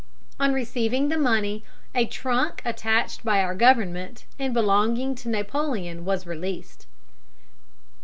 On receiving the money a trunk attached by our government and belonging to Napoleon was released.